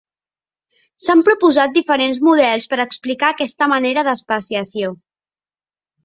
S'han proposat diferents models per explicar aquesta manera d'especiació.